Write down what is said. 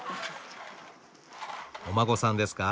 お孫さんですか。